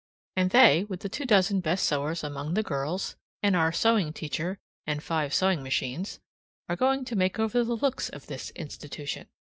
And they, with the two dozen best sewers among the girls and our sewing teacher and five sewing machines, are going to make over the looks of this institution.